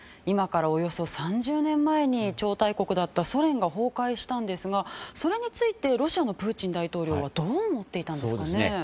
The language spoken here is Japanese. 今からおよそ３０年前に超大国だったソ連が崩壊したんですがそれについてロシアのプーチン大統領はどう思っていたんですかね？